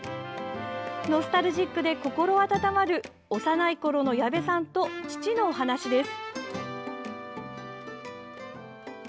ノスタルジックで心温まる幼いころの矢部さんと父のお話です。